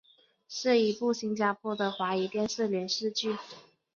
是一部新加坡的的华语电视连续剧。